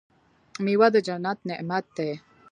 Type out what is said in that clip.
میوه د جنت نعمت دی.